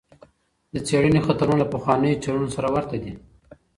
د څېړنې خطرونه له پخوانیو څېړنو سره ورته دي.